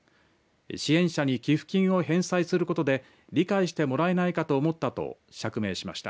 支援者に寄付金を返済することで理解してもらえないかと思ったと釈明しました。